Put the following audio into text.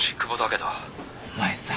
お前さ